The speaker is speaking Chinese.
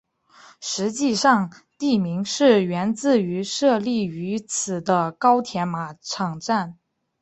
实际上地名是源自于设立于此的高田马场站。